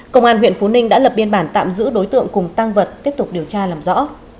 công an huyện phú ninh đã lập biên bản tạm giữ đối tượng cùng tăng vật tiếp tục điều tra làm rõ